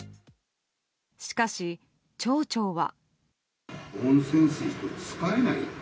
しかし、町長は。